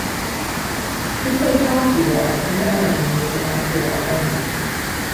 He played hockey while in the army with the Montreal Army.